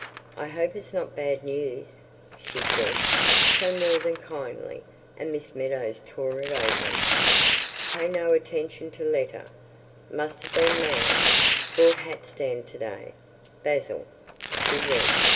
"I hope it's not bad news," she said, so more than kindly. And Miss Meadows tore it open. "Pay no attention to letter, must have been mad, bought hat stand to day—Basil," she read.